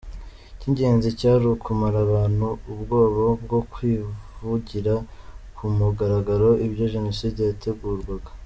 Icy’ingenzi cyari ukumara abantu ubwoba bwo kuvugira ku mugaragaro ibya Jenoside yategurwaga.